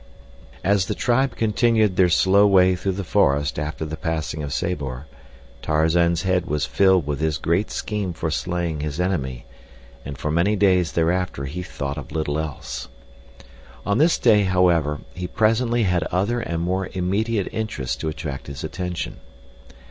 As the tribe continued their slow way through the forest after the passing of Sabor, Tarzan's head was filled with his great scheme for slaying his enemy, and for many days thereafter he thought of little else. On this day, however, he presently had other and more immediate interests to attract his attention.